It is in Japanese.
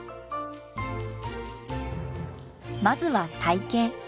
まずは体型。